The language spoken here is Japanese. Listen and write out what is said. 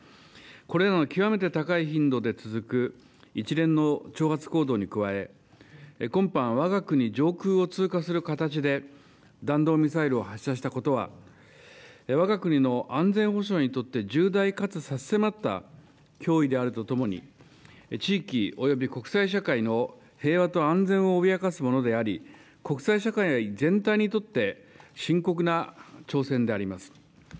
これらの極めて高い頻度で続く一連の挑発行動に加え、今般、わが国上空を通過する形で弾道ミサイルを発射したことは、わが国の安全保障にとって重大かつ差し迫った脅威であるとともに、地域及び国際社会の平和と安全を脅かすものであり、国際社会や全体にとって深刻な挑戦であります。